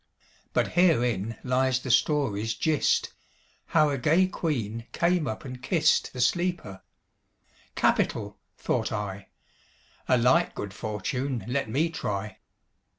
But herein lies the story's gist, How a gay queen came up and kist The sleeper. 'Capital!' thought I. 'A like good fortune let me try.'